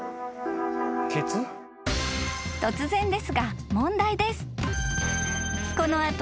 ［突然ですが問題です］